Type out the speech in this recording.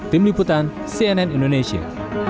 tim liputan cnn indonesia